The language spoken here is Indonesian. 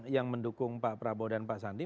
yang mendukung pak prabowo dan pak sandi